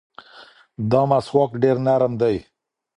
دا مسواک ډېر نرم دی.